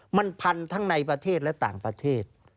มันพันทั้งในประเทศและต่างประเทศ